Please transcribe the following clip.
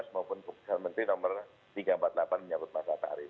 maupun keputusan menteri nomor tiga ratus empat puluh delapan menyambut masa tarif